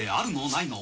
ないの？